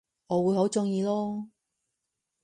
我會好鍾意囉